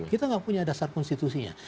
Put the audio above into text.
kita nggak punya dasar konstitusinya